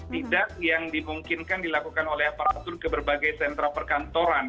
tidak yang dimungkinkan dilakukan oleh aparatur ke berbagai sentra perkantoran